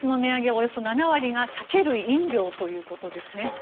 およそ７割が酒類・飲料ということですね。